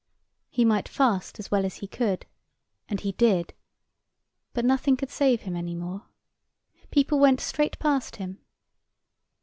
He might fast as well as he could—and he did—but nothing could save him any more. People went straight past him.